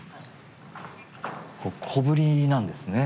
小ぶりなんですね。